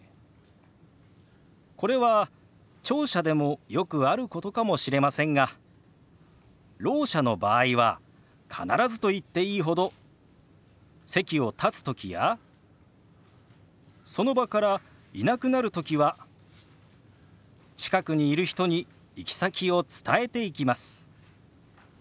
これは聴者でもよくあることかもしれませんがろう者の場合は必ずと言っていいほど席を立つときやその場からいなくなるときは近くにいる人に行き先を伝えていきます。